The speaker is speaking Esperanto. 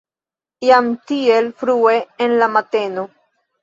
Jam tiel frue en la mateno?